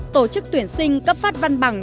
tổ chức tuyển sinh cấp phát văn bằng